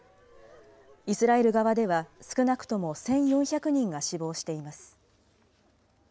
イスラエル側では少なくとも１４００人が死亡しています。